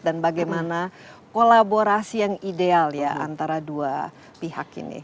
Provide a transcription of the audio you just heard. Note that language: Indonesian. dan bagaimana kolaborasi yang ideal ya antara dua pihak ini